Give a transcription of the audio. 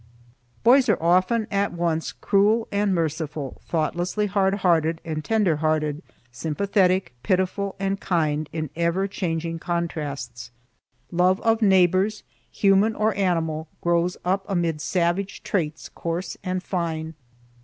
Boys are often at once cruel and merciful, thoughtlessly hard hearted and tender hearted, sympathetic, pitiful, and kind in ever changing contrasts. Love of neighbors, human or animal, grows up amid savage traits, coarse and fine.